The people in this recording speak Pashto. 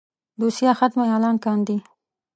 دوسيه ختمه اعلان کاندي.